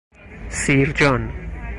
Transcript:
سیرجان